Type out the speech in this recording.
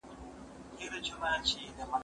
دا زده کړه له هغه ګټوره ده